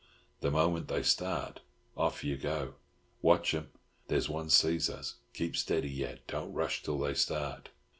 The moment they start, off you go. Watch 'em! There's one sees us! Keep steady yet—don't rush till they start."